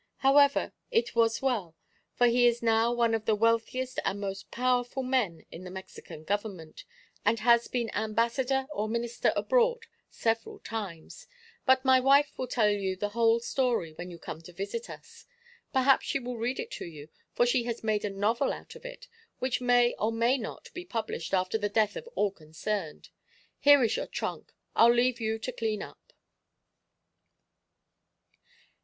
However, it was as well, for he is now one of the wealthiest and most powerful men in the Mexican government, and has been ambassador or minister abroad several times. But my wife will tell you the whole story when you come to visit us. Perhaps she will read it to you, for she has made a novel out of it, which may or may not be published after the death of all concerned. Here is your trunk. I'll leave you to clean up."